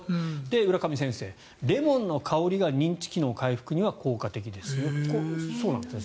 浦上先生、レモンの香りが認知機能回復には効果的ですよと。